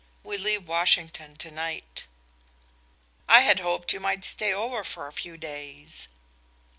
We leave Washington to night." "I had hoped you might stay over for a few days."